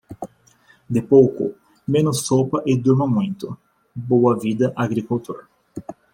Dê pouco, menos sopa e durma muito, boa vida, agricultor.